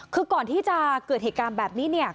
คือก่อนที่จะเกิดเหตุการณ์แบบนี้เนี่ย